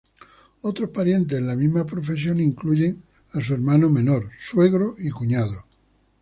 Otros parientes en la misma profesión incluyen a su hermano menor, suegro y cuñado.